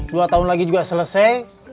dua tahun lagi juga selesai